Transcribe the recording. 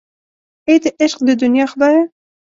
اې د عشق د دنیا خدایه.